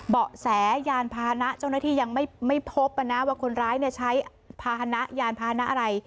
เบาะแสยานพาหนะจ้องหน้าที่ยังไม่พบว่าคนร้ายใช้พาหนะยานพาหนะอะไร